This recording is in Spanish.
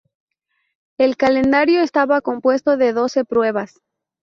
El calendario estaba compuesto de doce pruebas.